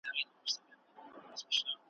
څنګه به بدنام په مینه څنګه به رسوا شول؟